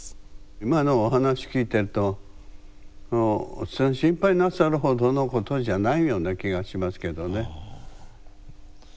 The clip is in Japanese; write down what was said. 今のお話聞いてると心配なさるほどのことじゃないような気がしますけどね。